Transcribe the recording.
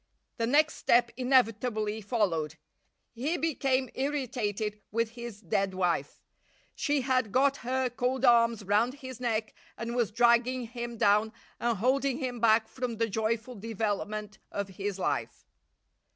The next step inevitably followed. He became irritated with his dead wife. She had got her cold arms round his neck and was dragging him down and holding him back from the joyful development of his life.